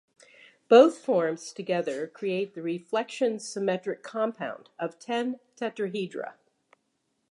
Both forms together create the reflection symmetric compound of ten tetrahedra.